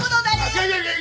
いやいやいや。